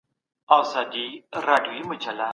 ما تېره اونۍ د مرګ د کیفیت په اړه واورېدل.